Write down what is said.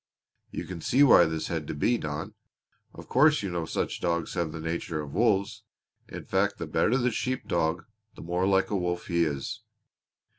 You can see why this had to be, Don. Of course you know such dogs have the nature of wolves. In fact the better the shepherd dog, the more like a wolf he is.